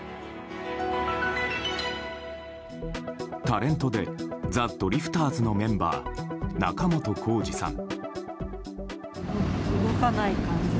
タレントでザ・ドリフターズのメンバー、仲本工事さん。